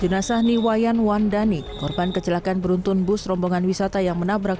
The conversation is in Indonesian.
jenazah niwayan wandani korban kecelakaan beruntun bus rombongan wisata yang menabrak